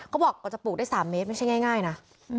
บอกกว่าจะปลูกได้๓เมตรไม่ใช่ง่ายนะ